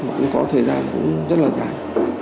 cũng có thời gian rất là dài